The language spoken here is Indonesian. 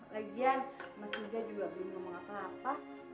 lagian mas iga juga belum ngomong apa apa